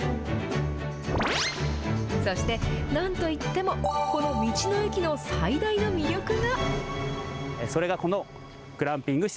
そして、なんといっても、この道の駅の最大の魅力が。